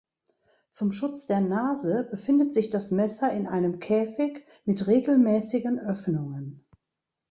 Zum Schutz der Nase befindet sich das Messer in einem Käfig mit regelmäßigen Öffnungen.